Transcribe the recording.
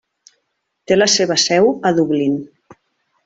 Té la seva seu a Dublín.